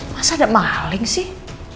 masa ada maling sih